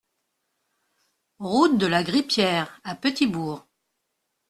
Route de la Grippière à Petit-Bourg